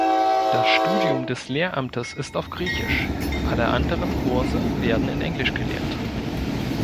Das Studium des Lehramtes ist auf Griechisch, alle anderen Kurse werden in Englisch gelehrt.